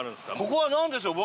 ここはなんでしょう？